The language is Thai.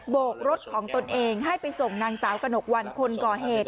โกกรถของตนเองให้ไปส่งนางสาวกระหนกวันคนก่อเหตุ